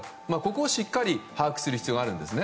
ここをしっかり把握する必要があります。